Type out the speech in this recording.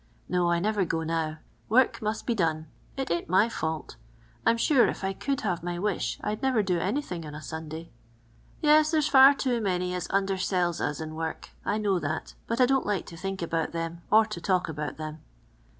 No, I never go now. Work mu6t be dooe. It ain't my fault. I 'm sure, if I could have my wish, I 'd never do anything on a Sanday. " Yes, there 's far too many as undersells as in work. I know that, but I don't like to think about them or to talk about them."